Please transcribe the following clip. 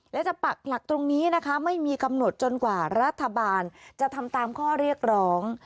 และจะปักหลักตรงนี้นะคะไม่มีกำหนดจนกว่ารัฐบาลจะทำตามข้อเรียกร้อง